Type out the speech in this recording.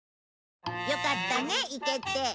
よかったね行けて。